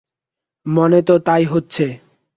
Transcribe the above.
মনে তো তাই হচ্ছে।